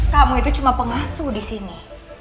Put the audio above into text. kamu itu cuma pengasuh disini